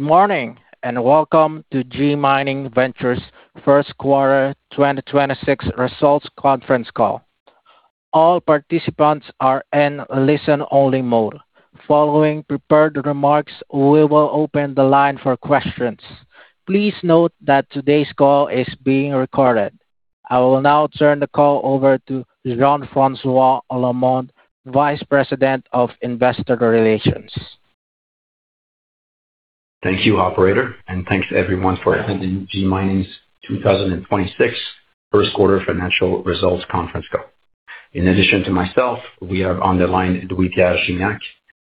Good morning, and welcome to G Mining Ventures first quarter 2026 results conference call. All participants are in listen-only mode. Following prepared remarks, we will open the line for questions. Please note that today's call is being recorded. I will now turn the call over to Jean-François Lemonde, Vice President of Investor Relations. Thank you, operator, and thanks everyone for attending G Mining Ventures' 2026 first quarter financial results conference call. In addition to myself, we have on the line Louis-Pierre Gignac,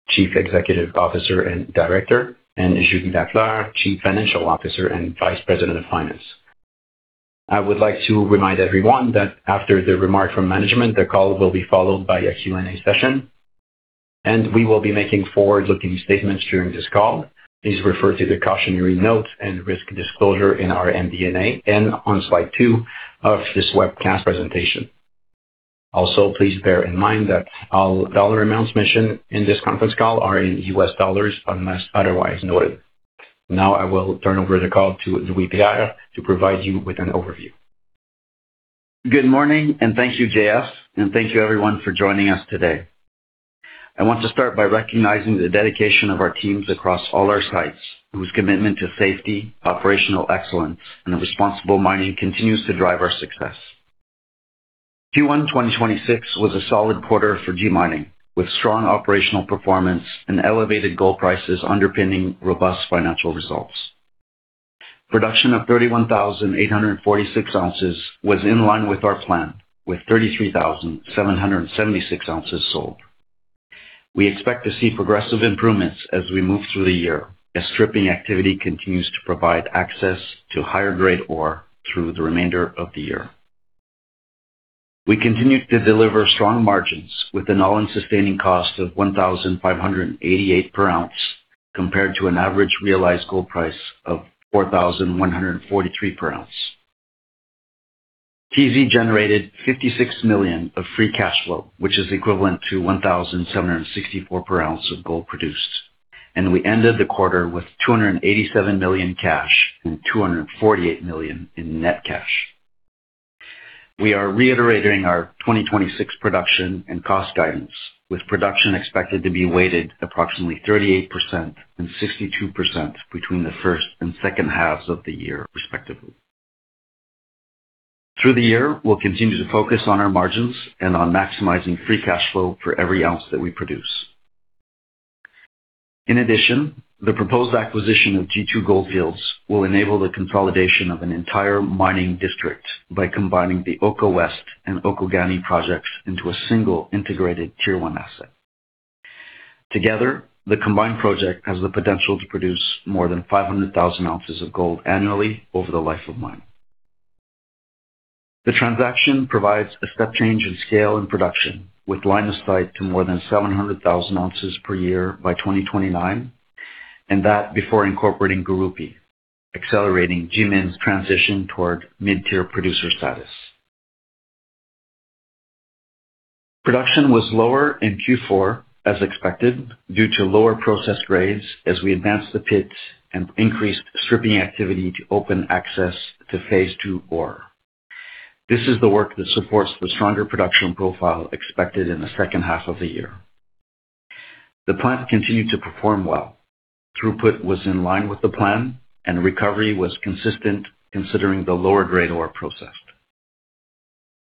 Chief Executive Officer and Director, and Julie Lafleur, Chief Financial Officer and Vice President of Finance. I would like to remind everyone that after the remarks from management, the call will be followed by a Q&A session, and we will be making forward-looking statements during this call. Please refer to the cautionary note and risk disclosure in our MD&A and on slide two of this webcast presentation. Also, please bear in mind that all dollar amounts mentioned in this conference call are in U.S. dollars unless otherwise noted. Now I will turn over the call to Louis-Pierre to provide you with an overview. Good morning. Thank you, JF, and thank you everyone for joining us today. I want to start by recognizing the dedication of our teams across all our sites, whose commitment to safety, operational excellence, and responsible mining continues to drive our success. Q1 2026 was a solid quarter for G Mining, with strong operational performance and elevated gold prices underpinning robust financial results. Production of 31,846 oz was in line with our plan, with 33,776 oz sold. We expect to see progressive improvements as we move through the year, as stripping activity continues to provide access to higher-grade ore through the remainder of the year. We continued to deliver strong margins with an all-in sustaining cost of $1,588 per ounce, compared to an average realized gold price of $4,143 per ounce. TZ generated $56 million of free cash flow, which is equivalent to $1,764 per ounce of gold produced, and we ended the quarter with $287 million cash and $248 million in net cash. We are reiterating our 2026 production and cost guidance, with production expected to be weighted approximately 38% and 62% between the first and second halves of the year, respectively. Through the year, we'll continue to focus on our margins and on maximizing free cash flow for every ounce that we produce. In addition, the proposed acquisition of G2 Goldfields will enable the consolidation of an entire mining district by combining the Oko West and Oko-Ghanie projects into a single integrated tier 1 asset. Together, the combined project has the potential to produce more than 500,000 oz of gold annually over the life of mine. The transaction provides a step change in scale and production, with line of sight to more than 700,000 oz per year by 2029, and that before incorporating Gurupi, accelerating GMIN's transition toward mid-tier producer status. Production was lower in Q4, as expected, due to lower processed grades as we advanced the pit and increased stripping activity to open access to phase II ore. This is the work that supports the stronger production profile expected in the second half of the year. The plant continued to perform well. Throughput was in line with the plan, and recovery was consistent considering the lower-grade ore processed.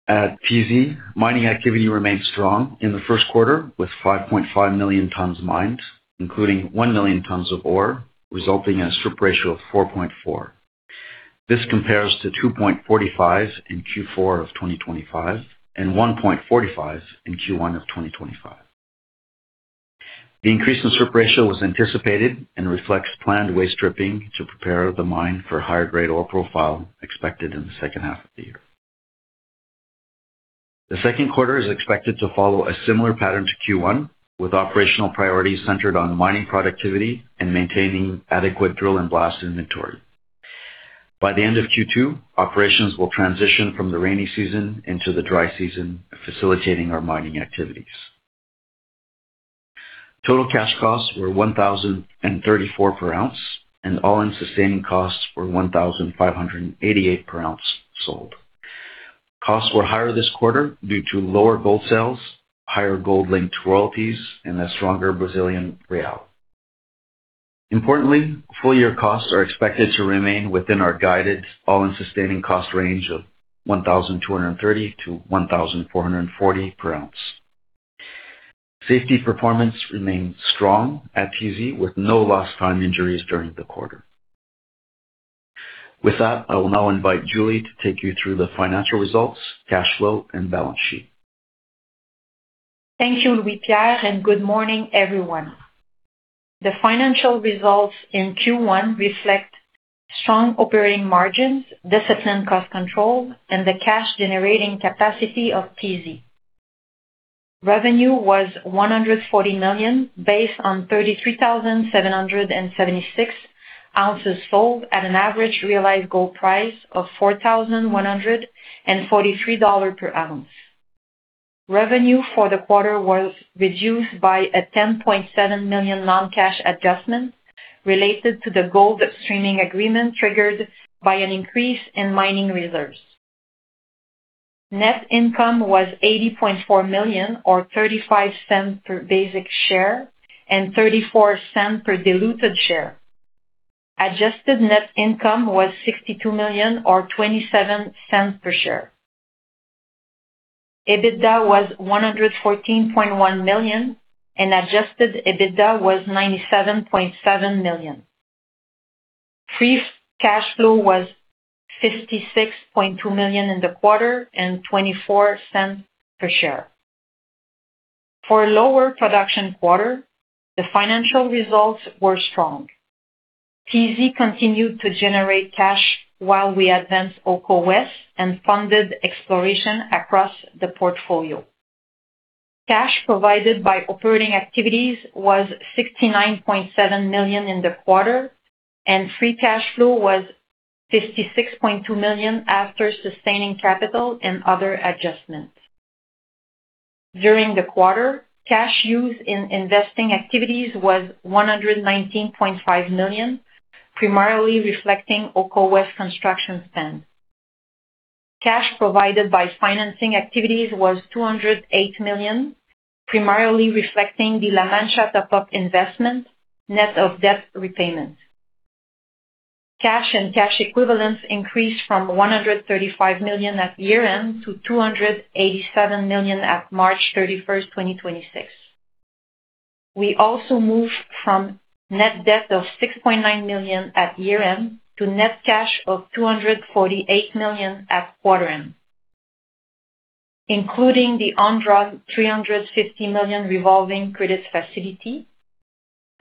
At TZ, mining activity remained strong in the first quarter with 5.5 million tons mined, including 1 million tons of ore, resulting in a strip ratio of 4.4. This compares to 2.45 in Q4 of 2025 and 1.45 in Q1 of 2025. The increase in strip ratio was anticipated and reflects planned waste stripping to prepare the mine for higher-grade ore profile expected in the second half of the year. The second quarter is expected to follow a similar pattern to Q1, with operational priorities centered on mining productivity and maintaining adequate drill and blast inventory. By the end of Q2, operations will transition from the rainy season into the dry season, facilitating our mining activities. Total cash costs were $1,034 per ounce, and all-in sustaining costs were $1,588 per ounce sold. Costs were higher this quarter due to lower gold sales, higher gold-linked royalties, and a stronger Brazilian real. Importantly, full-year costs are expected to remain within our guided all-in sustaining cost range of $1,230-$1,440 per ounce. Safety performance remained strong at TZ, with no lost time injuries during the quarter. With that, I will now invite Julie to take you through the financial results, cash flow, and balance sheet. Thank you, Louis-Pierre, and good morning, everyone. The financial results in Q1 reflect strong operating margins, disciplined cost control, and the cash-generating capacity of TZ. Revenue was $140 million, based on 33,776 oz sold at an average realized gold price of $4,143 per ounce. Revenue for the quarter was reduced by a $10.7 million non-cash adjustment related to the gold streaming agreement triggered by an increase in mining reserves. Net income was $80.4 million or $0.35 per basic share and $0.34 per diluted share. Adjusted net income was $62 million or $0.27 per share. EBITDA was $114.1 million, and adjusted EBITDA was $97.7 million. Free cash flow was $56.2 million in the quarter and $0.24 per share. For a lower production quarter, the financial results were strong. TZ continued to generate cash while we advanced Oko West and funded exploration across the portfolio. Cash provided by operating activities was $69.7 million in the quarter, and free cash flow was $56.2 million after sustaining capital and other adjustments. During the quarter, cash used in investing activities was $119.5 million, primarily reflecting Oko West construction spend. Cash provided by financing activities was $208 million, primarily reflecting the La Mancha top-up investment, net of debt repayments. Cash and cash equivalents increased from $135 million at year-end to $287 million at March 31st, 2026. We also moved from net debt of $6.9 million at year-end to net cash of $248 million at quarter end. Including the undrawn $350 million revolving credit facility,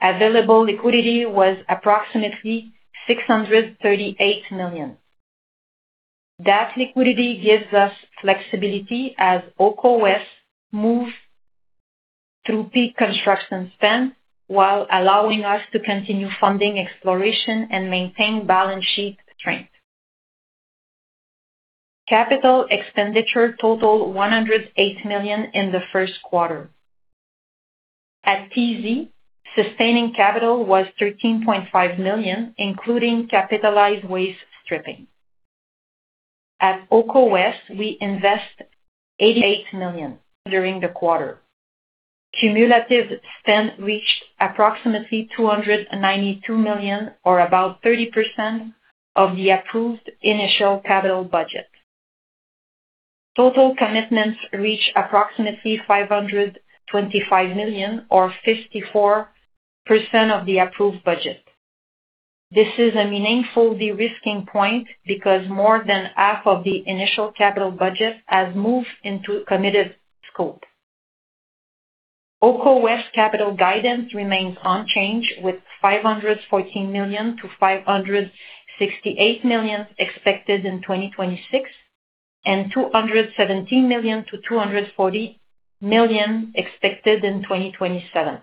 available liquidity was approximately $638 million. That liquidity gives us flexibility as Oko West moves through peak construction spend while allowing us to continue funding exploration and maintain balance sheet strength. Capital expenditure totaled $108 million in the first quarter. At TZ, sustaining capital was $13.5 million, including capitalized waste stripping. At Oko West, we invest $88 million during the quarter. Cumulative spend reached approximately $292 million or about 30% of the approved initial capital budget. Total commitments reach approximately $525 million or 54% of the approved budget. This is a meaningful de-risking point because more than half of the initial capital budget has moved into committed scope. Oko West capital guidance remains unchanged with $514 million-$568 million expected in 2026 and $217 million-$240 million expected in 2027.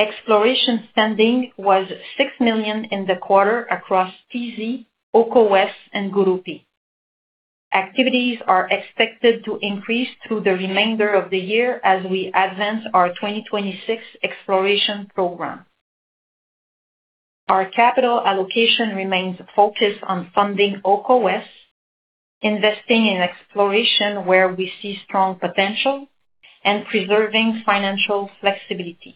Exploration spending was $6 million in the quarter across TZ, Oko West, and Gurupi. Activities are expected to increase through the remainder of the year as we advance our 2026 exploration program. Our capital allocation remains focused on funding Oko West, investing in exploration where we see strong potential, and preserving financial flexibility.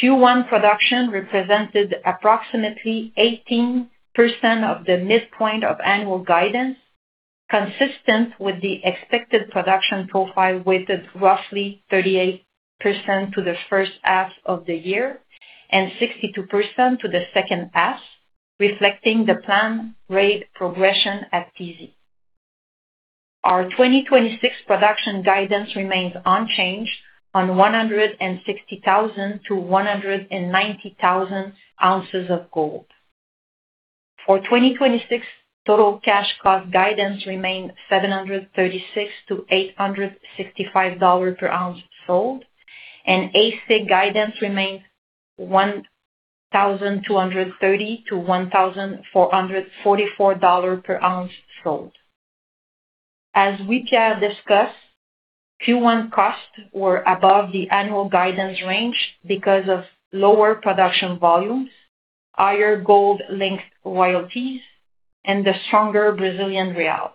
Q1 production represented approximately 18% of the midpoint of annual guidance, consistent with the expected production profile, weighted roughly 38% to the first half of the year and 62% to the second half, reflecting the planned rate progression at TZ. Our 2026 production guidance remains unchanged on 160,000-190,000 oz of gold. For 2026, total cash cost guidance remains $736-$865 per ounce sold, and AISC guidance remains $1,230-$1,444 per ounce sold. As we previously discussed, Q1 costs were above the annual guidance range because of lower production volumes, higher gold-linked royalties, and the stronger Brazilian real.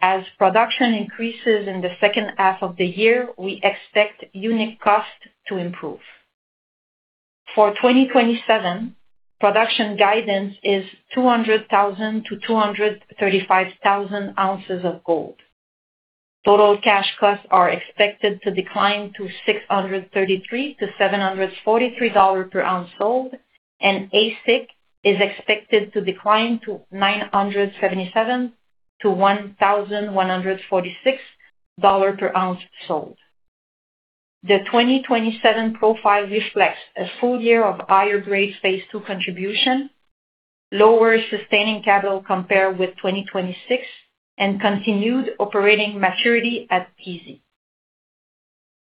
As production increases in the second half of the year, we expect unit cost to improve. For 2027, production guidance is 200,000-235,000 oz of gold. Total cash costs are expected to decline to $633-$743 per ounce sold. AISC is expected to decline to $977-$1,146 per ounce sold. The 2027 profile reflects a full year of higher grade phase II contribution, lower sustaining capital compared with 2026, and continued operating maturity at TZ.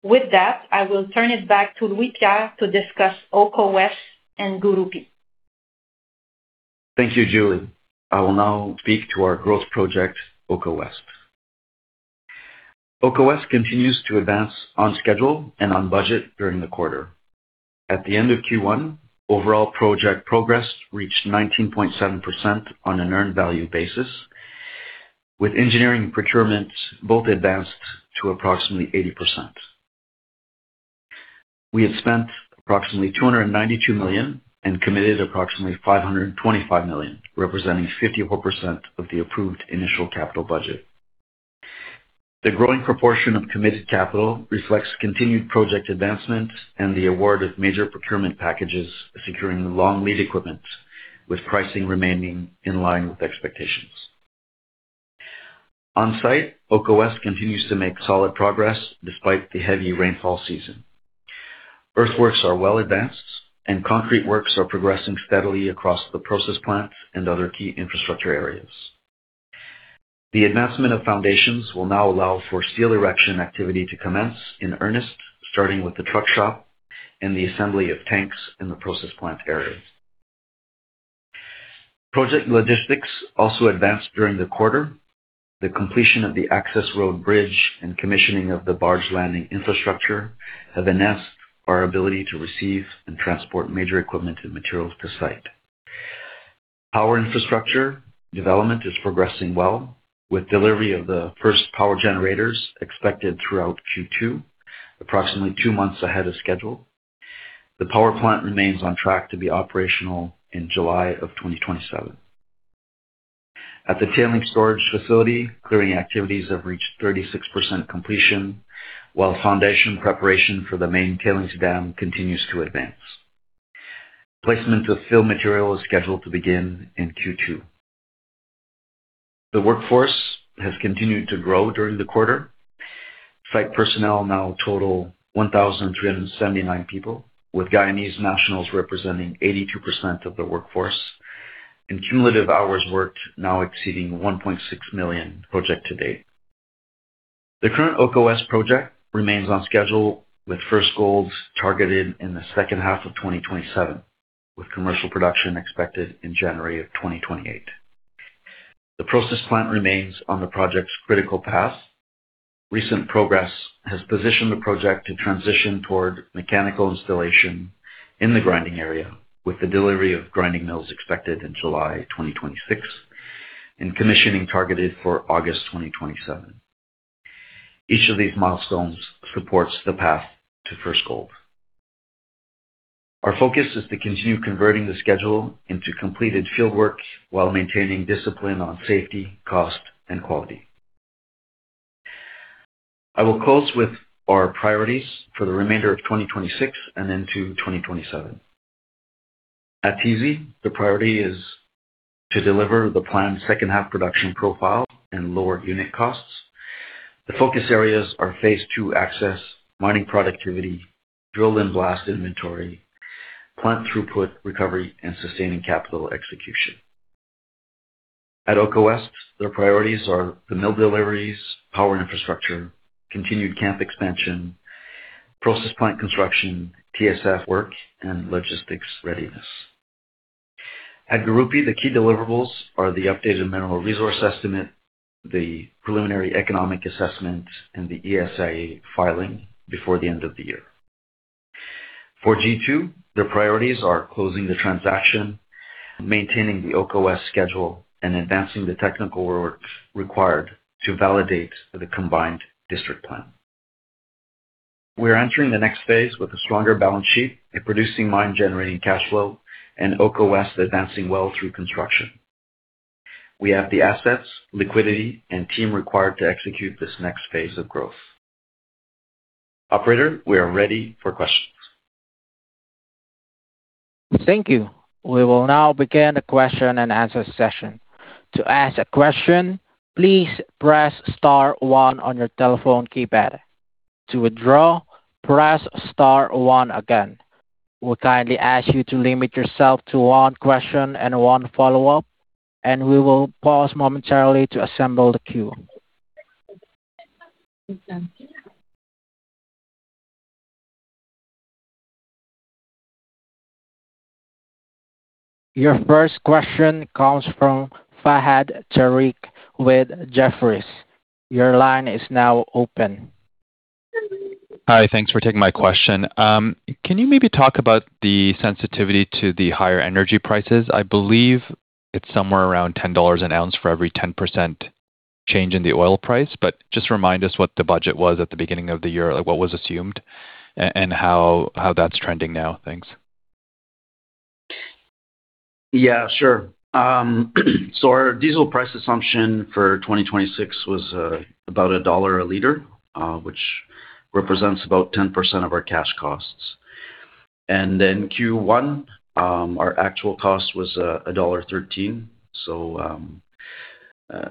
With that, I will turn it back to Louis-Pierre to discuss Oko West and Gurupi. Thank you, Julie. I will now speak to our growth project, Oko West. Oko West continues to advance on schedule and on budget during the quarter. At the end of Q1, overall project progress reached 19.7% on an earned value basis, with engineering procurements both advanced to approximately 80%. We have spent approximately $292 million and committed approximately $525 million, representing 54% of the approved initial capital budget. The growing proportion of committed capital reflects continued project advancement and the award of major procurement packages securing long lead equipment with pricing remaining in line with expectations. On-site, Oko West continues to make solid progress despite the heavy rainfall season. Earthworks are well advanced, and concrete works are progressing steadily across the process plant and other key infrastructure areas. The advancement of foundations will now allow for steel erection activity to commence in earnest, starting with the truck shop and the assembly of tanks in the process plant area. Project logistics also advanced during the quarter. The completion of the access road bridge and commissioning of the barge landing infrastructure have enhanced our ability to receive and transport major equipment and materials to site. Power infrastructure development is progressing well, with delivery of the first power generators expected throughout Q2, approximately two months ahead of schedule. The power plant remains on track to be operational in July of 2027. At the tailings storage facility, clearing activities have reached 36% completion, while foundation preparation for the main tailings dam continues to advance. Placement of fill material is scheduled to begin in Q2. The workforce has continued to grow during the quarter. Site personnel now total 1,379 people, with Guyanese nationals representing 82% of the workforce and cumulative hours worked now exceeding 1.6 million project to date. The current Oko West project remains on schedule, with first gold targeted in the second half of 2027, with commercial production expected in January 2028. The process plant remains on the project's critical path. Recent progress has positioned the project to transition toward mechanical installation in the grinding area, with the delivery of grinding mills expected in July 2026 and commissioning targeted for August 2027. Each of these milestones supports the path to first gold. Our focus is to continue converting the schedule into completed field work while maintaining discipline on safety, cost, and quality. I will close with our priorities for the remainder of 2026 and into 2027. At TZ, the priority is to deliver the planned second half production profile and lower unit costs. The focus areas are phase II access, mining productivity, drill and blast inventory, plant throughput recovery, and sustaining capital execution. At Oko West, their priorities are the mill deliveries, power infrastructure, continued camp expansion, process plant construction, TSF work, and logistics readiness. At Gurupi, the key deliverables are the updated mineral resource estimate, the preliminary economic assessment, and the ESIA filing before the end of the year. For G2, their priorities are closing the transaction, maintaining the Oko West schedule, and advancing the technical work required to validate the combined district plan. We are entering the next phase with a stronger balance sheet, a producing mine generating cash flow, and Oko West advancing well through construction. We have the assets, liquidity, and team required to execute this next phase of growth. Operator, we are ready for questions. Thank you. We will now begin the question-and-answer session. To ask a question, please press star one on your telephone keypad. To withdraw, press star one again. We kindly ask you to limit yourself to one question and one follow-up, and we will pause momentarily to assemble the queue. Your first question comes from Fahad Tariq with Jefferies. Your line is now open. Hi. Thanks for taking my question. Can you maybe talk about the sensitivity to the higher energy prices? I believe it's somewhere around $10 an ounce for every 10% change in the oil price. Just remind us what the budget was at the beginning of the year, like what was assumed and how that's trending now. Thanks. Yeah, sure. Our diesel price assumption for 2026 was about $1 a liter, which represents about 10% of our cash costs. Q1, our actual cost was $1.13.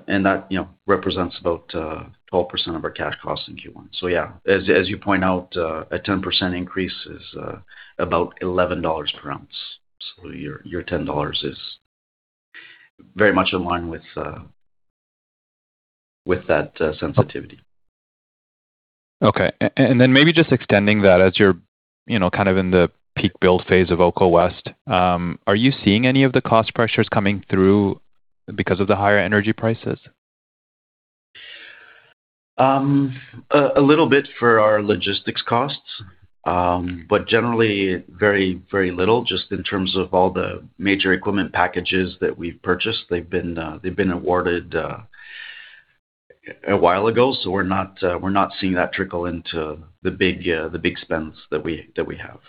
That, you know, represents about 12% of our cash costs in Q1. Yeah, as you point out, a 10% increase is about $11 per ounce. Your $10 is very much in line with that sensitivity. Okay. Maybe just extending that as you're, you know, kind of in the peak build phase of Oko West, are you seeing any of the cost pressures coming through because of the higher energy prices? A little bit for our logistics costs, but generally very, very little just in terms of all the major equipment packages that we've purchased. They've been awarded a while ago, so we're not seeing that trickle into the big spends that we have.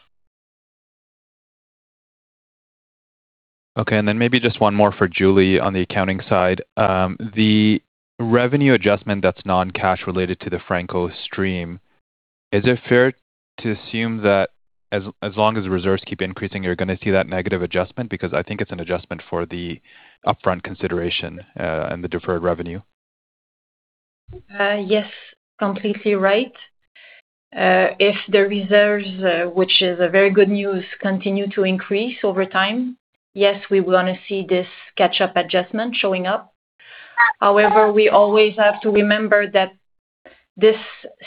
Okay. Then maybe just one more for Julie on the accounting side. The revenue adjustment that's non-cash related to the Franco-Nevada stream, is it fair to assume that as long as the reserves keep increasing, you're gonna see that negative adjustment? I think it's an adjustment for the upfront consideration, and the deferred revenue. Yes, completely right. If the reserves, which is a very good news, continue to increase over time, yes, we want to see this catch-up adjustment showing up. However, we always have to remember that this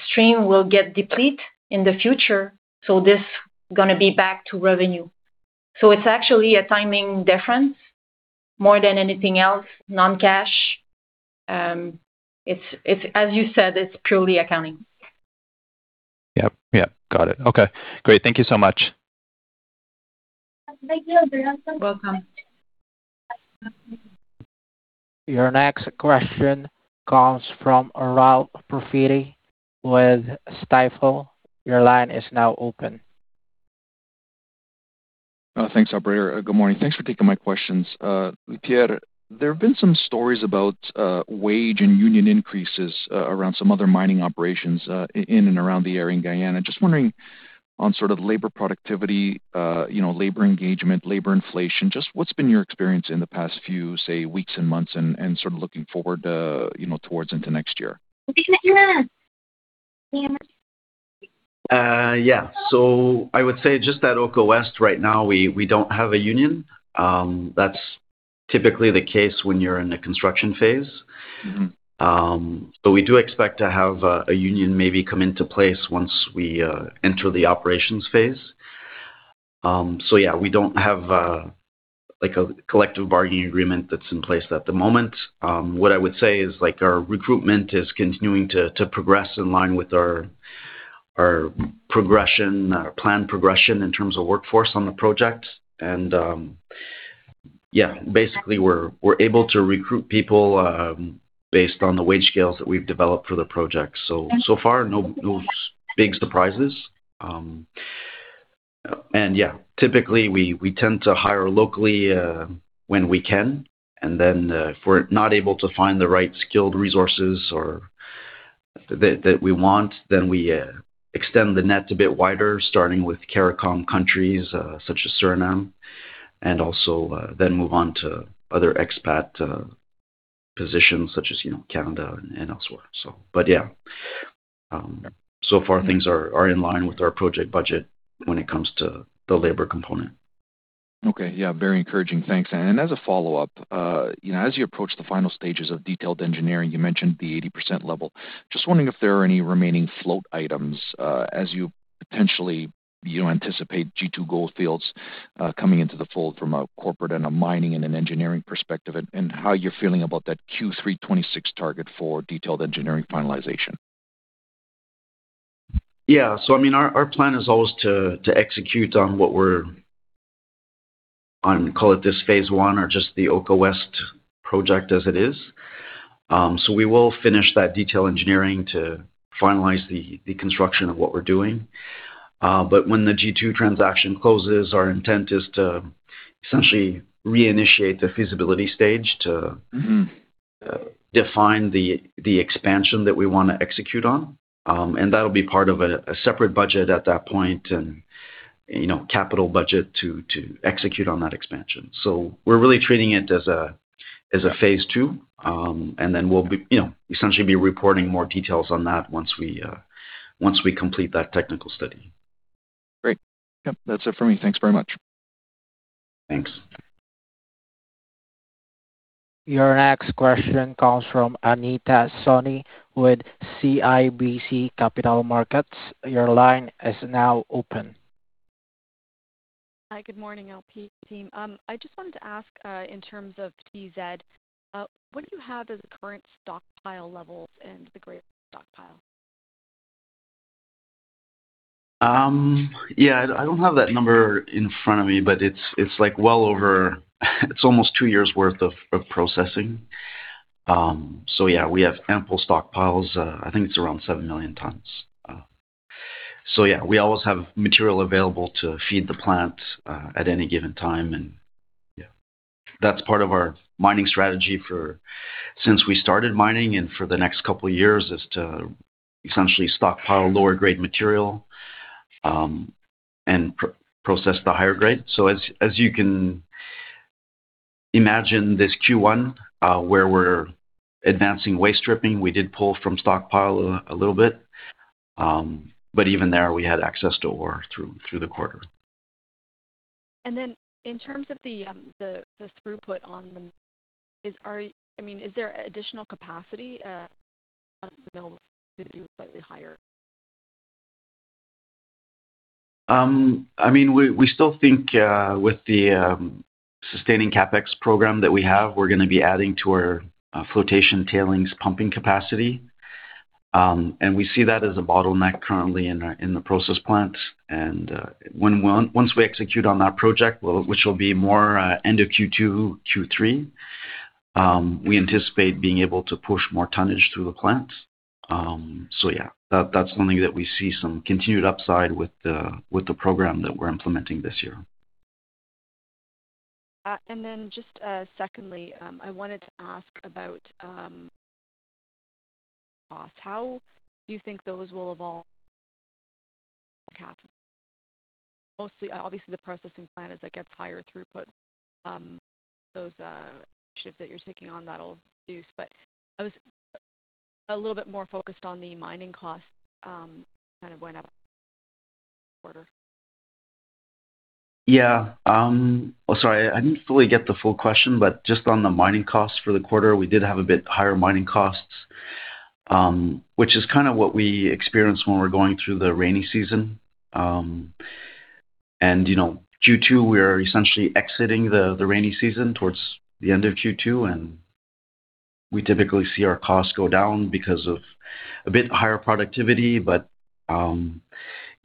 stream will get deplete in the future, so this is going to be back to revenue. It's actually a timing difference more than anything else, non-cash. It's as you said, it's purely accounting. Yep. Yep. Got it. Okay. Great. Thank you so much. Thank you. You're welcome. Your next question comes from Ralph Profiti with Stifel. Your line is now open. Thanks, operator. Good morning. Thanks for taking my questions. Pierre, there have been some stories about wage and union increases in and around the area in Guyana. Just wondering on sort of labor productivity, you know, labor engagement, labor inflation, just what's been your experience in the past few, say, weeks and months and sort of looking forward, you know, towards into next year? Yeah. I would say just at Oko West right now, we don't have a union. That's typically the case when you're in a construction phase. We do expect to have a union maybe come into place once we enter the operations phase. Yeah, we don't have like a collective bargaining agreement that's in place at the moment. What I would say is like our recruitment is continuing to progress in line with our progression, our planned progression in terms of workforce on the project. Yeah, basically we're able to recruit people based on the wage scales that we've developed for the project. So far, no big surprises. Yeah, typically, we tend to hire locally when we can. If we're not able to find the right skilled resources or that we want, then we extend the net a bit wider, starting with CARICOM countries, such as Suriname, and also then move on to other expat positions such as, you know, Canada and elsewhere. So far things are in line with our project budget when it comes to the labor component. Okay. Yeah, very encouraging. Thanks. As a follow-up, you know, as you approach the final stages of detailed engineering, you mentioned the 80% level. Just wondering if there are any remaining float items, as you potentially, you know, anticipate G2 Goldfields coming into the fold from a corporate and a mining and an engineering perspective, and how you're feeling about that Q3 2026 target for detailed engineering finalization. Our plan is always to execute on what we're on, call it this phase one or just the Oko West project as it is. We will finish that detail engineering to finalize the construction of what we're doing. But when the G2 transaction closes, our intent is to essentially reinitiate the feasibility stage. Define the expansion that we wanna execute on. That'll be part of a separate budget at that point and, you know, capital budget to execute on that expansion. We're really treating it as a, as a phase two. We'll be, you know, essentially be reporting more details on that once we complete that technical study. Great. Yep. That's it for me. Thanks very much. Thanks. Your next question comes from Anita Soni with CIBC Capital Markets. Your line is now open. Hi, good morning, LP, team. I just wanted to ask, in terms of TZ, what do you have as the current stockpile levels and the grade stockpile? Yeah, I don't have that number in front of me, but it's like well over. It's almost two years worth of processing. Yeah, we have ample stockpiles. I think it's around 7 million tons. Yeah, we always have material available to feed the plant at any given time. Yeah, that's part of our mining strategy for since we started mining and for the next couple of years is to essentially stockpile lower grade material and process the higher grade. As you can imagine this Q1, where we're advancing waste stripping, we did pull from stockpile a little bit. Even there we had access to ore through the quarter. In terms of the throughput on the I mean, is there additional capacity available to do slightly higher? I mean, we still think, with the sustaining CapEx program that we have, we're gonna be adding to our flotation tailings pumping capacity. We see that as a bottleneck currently in the process plant. Once we execute on that project, which will be more end of Q2, Q3, we anticipate being able to push more tonnage through the plant. Yeah, that's something that we see some continued upside with the program that we're implementing this year. Then just, secondly, I wanted to ask about cost, how do you think those will evolve. Mostly, obviously, the processing plant as it gets higher throughput, those shifts that you're taking on that'll do. I was a little bit more focused on the mining costs, kind of went up quarter. Yeah. Sorry, I didn't fully get the full question, but just on the mining costs for the quarter, we did have a bit higher mining costs, which is kind of what we experience when we're going through the rainy season. You know, Q2, we're essentially exiting the rainy season towards the end of Q2, and we typically see our costs go down because of a bit higher productivity.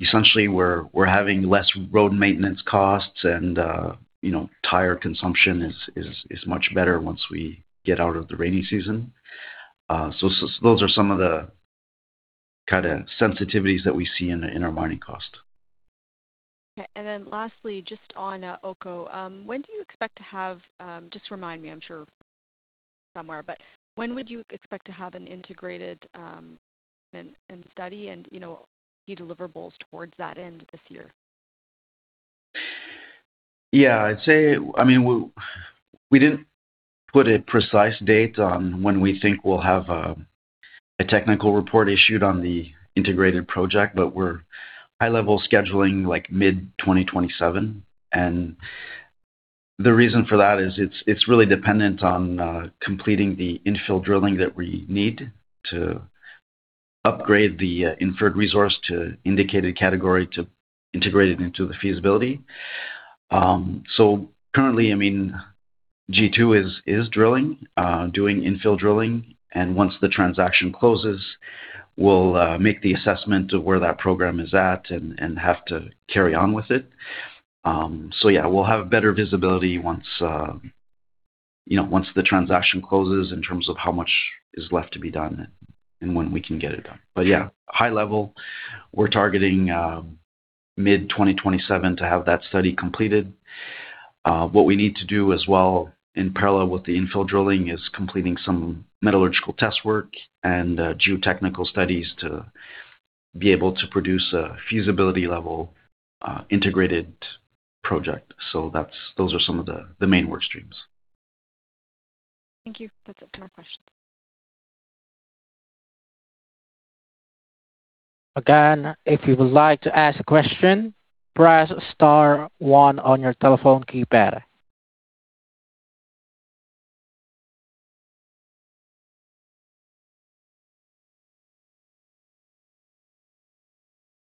Essentially, we're having less road maintenance costs and, you know, tire consumption is much better once we get out of the rainy season. Those are some of the kind of sensitivities that we see in our mining cost. Okay. Lastly, just on Oko, when do you expect to have, just remind me, I am sure somewhere, but when would you expect to have an integrated, and study and, you know, key deliverables towards that end this year? Yeah. I'd say, I mean, we didn't put a precise date on when we think we'll have a technical report issued on the integrated project, but we're high level scheduling like mid 2027. The reason for that is it's really dependent on completing the infill drilling that we need to upgrade the inferred resource to indicated category to integrate it into the feasibility. Currently, I mean, G2 is drilling, doing infill drilling, and once the transaction closes, we'll make the assessment of where that program is at and have to carry on with it. Yeah, we'll have better visibility once, you know, once the transaction closes in terms of how much is left to be done and when we can get it done. Yeah, high level, we're targeting mid 2027 to have that study completed. What we need to do as well in parallel with the infill drilling is completing some metallurgical test work and geotechnical studies to be able to produce a feasibility level integrated project. Those are some of the main work streams. Thank you. That is it for my question. Again, if you would like to ask a question, press star one on your telephone keypad.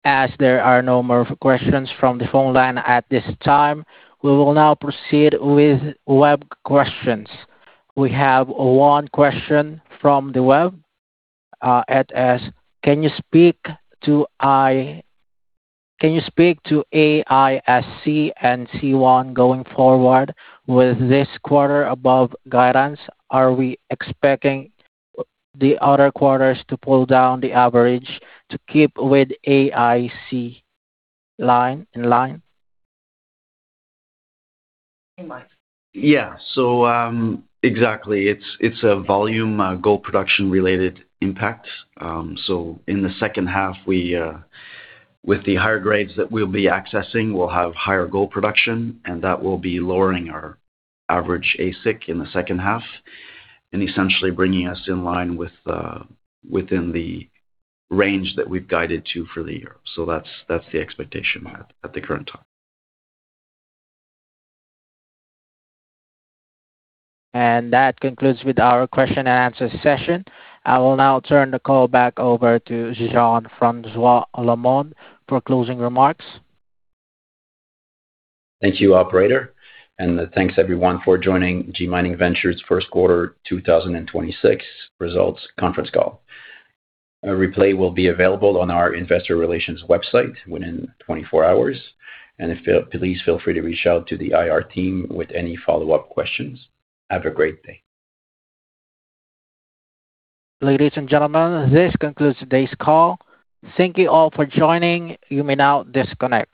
As there are no more questions from the phone line at this time, we will now proceed with web questions. We have one question from the web. It says, "Can you speak to AISC and C1 going forward with this quarter above guidance? Are we expecting the other quarters to pull down the average to keep with AISC line, in line? Yeah. Exactly. It's a volume gold production-related impact. In the second half, with the higher grades that we'll be accessing, we'll have higher gold production, and that will be lowering our average AISC in the second half and essentially bringing us in line within the range that we've guided to for the year. That's the expectation at the current time. That concludes with our question-and-answer session. I will now turn the call back over to Jean-François Lemonde for closing remarks. Thank you, operator. Thanks everyone for joining G Mining Ventures first quarter 2026 results conference call. A replay will be available on our investor relations website within 24 hours. Please feel free to reach out to the IR team with any follow-up questions. Have a great day. Ladies and gentlemen, this concludes today's call. Thank you all for joining. You may now disconnect.